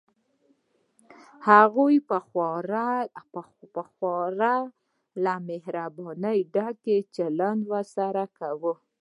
هغوی به خورا له مهربانۍ ډک چلند ورسره کوي.